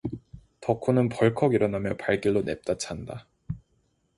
덕호는 벌컥 일어나며 발길로 냅다 찬다.